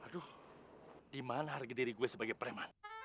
aduh dimana harga diri gue sebagai preman